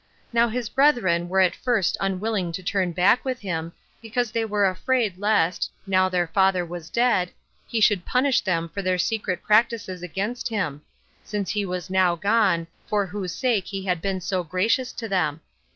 Now his brethren were at first unwilling to return back with him, because they were afraid lest, now their father was dead, he should punish them for their secret practices against him; since he was now gone, for whose sake he had been so gracious to them.